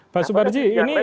dan pada saat ini